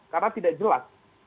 karena tidak jelas